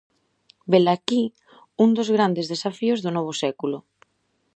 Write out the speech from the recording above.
Velaquí un dos grandes desafíos do novo século.